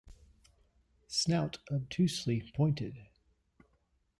Snout obtusely pointed.